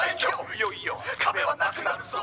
いよいよ壁はなくなるぞ！